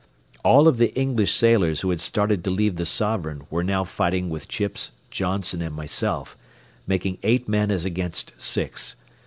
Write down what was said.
All of the English sailors who had started to leave the Sovereign were now fighting with Chips, Johnson, and myself, making eight men as against six.